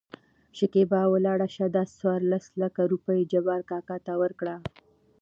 شکېبا : ولاړ شه دا څورلس لکه روپۍ جبار کاکا ته ورکړه.